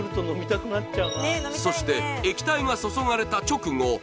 そして液体が注がれた直後